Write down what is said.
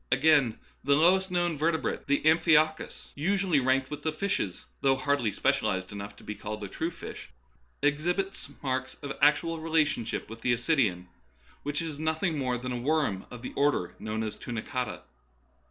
Again, the lowest known vertebrate, the amphioxus, usually ranked with fishes, though hardly specialized enough to be called a true fish, exhibits marks of actual relationship with the ascidian, which is nothing more than a worm of the order known as tunicata.